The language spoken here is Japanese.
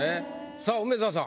さあ梅沢さん。